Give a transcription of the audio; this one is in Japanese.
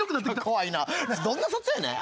怖いなどんな札やねん。